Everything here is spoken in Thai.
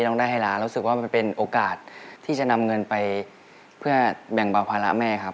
ต้องได้ให้ล้านรู้สึกว่ามันเป็นโอกาสที่จะนำเงินไปเพื่อแบ่งเบาภาระแม่ครับ